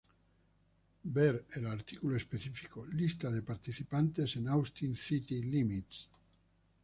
Ver el artículo específico: "Lista de participantes en Austin City Limits"